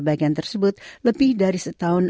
bagian tersebut lebih dari setahun